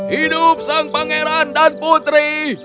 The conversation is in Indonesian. hidup sang pangeran dan putri